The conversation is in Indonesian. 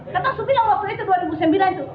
ketul supi lalu waktu itu dua ribu sembilan itu